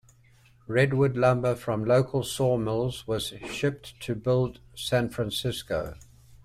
Redwood lumber from local sawmills was shipped to build San Francisco.